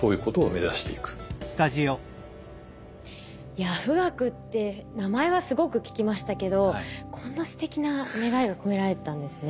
いや富岳って名前はすごく聞きましたけどこんなすてきな願いが込められてたんですね。